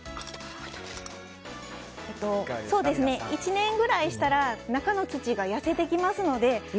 １年ぐらいしたら、中の土が痩せてきますので。